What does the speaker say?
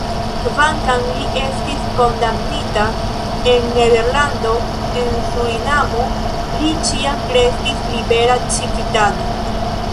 Kvankam li estis kondamnita en Nederlando, en Surinamo li ĉiam restis libera civitano.